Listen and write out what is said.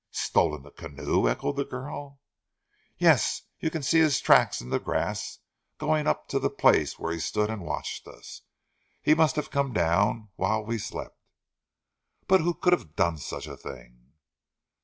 "Stolen the canoe!" echoed the girl. "Yes! You can see his tracks in the grass, going up to the place where he stood and watched us. He must have come down whilst we slept." "But who can have done such a thing?"